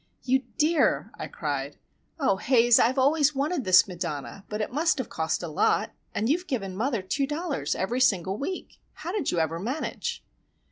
"You dear!" I cried. "Oh, Haze, I've always wanted this Madonna. But it must have cost a lot,—and you have given mother two dollars every single week! How did you ever manage?"